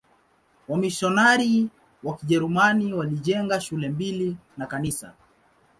Wamisionari wa Kijerumani walijenga shule mbili na kanisa.